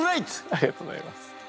ありがとうございます。